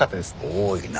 多いな。